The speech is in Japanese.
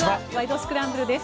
スクランブル」です。